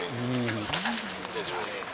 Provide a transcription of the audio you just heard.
すみません、失礼します。